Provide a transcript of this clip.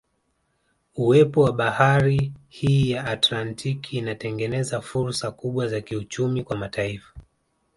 Uwepo wa bahari hii ya Atlantiki inatengeneza fursa kubwa za kiuchumi kwa mataifa